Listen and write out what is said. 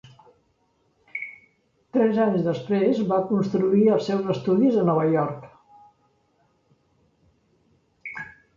Tres anys després va construir els seus estudis a Nova York.